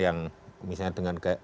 yang misalnya dengan